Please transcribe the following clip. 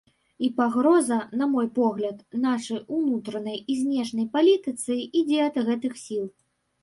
І пагроза, на мой погляд, нашай унутранай і знешняй палітыцы ідзе ад гэтых сіл.